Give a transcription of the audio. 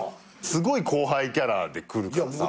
すごい後輩キャラで来るからさ。